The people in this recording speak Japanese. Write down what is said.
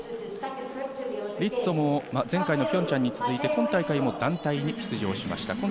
リッツォも前回、ピョンチャンに続いて、今大会も団体に出場しました。